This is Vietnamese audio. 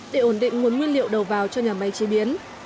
để ổn định nguồn nguyên liệu đầu vào cho nhà máy chế biến